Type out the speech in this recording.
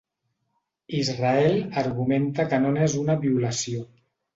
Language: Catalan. Israel argumenta que no n'és una violació.